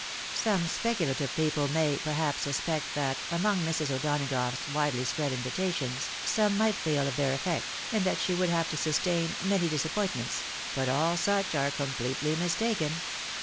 Some speculative people may, perhaps, suspect that, among Mrs. O'Donagough's widely spread invitations, some might fail of their effect, and that she would have to sustain "many dis appointments ;" but all such are completely mistaken.